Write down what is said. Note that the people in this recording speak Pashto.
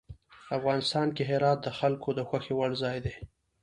افغانستان کې هرات د خلکو د خوښې وړ ځای دی.